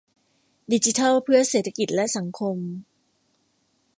ดิจิทัลเพื่อเศรษฐกิจและสังคม